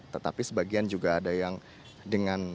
tetapi sebagian juga ada yang dengan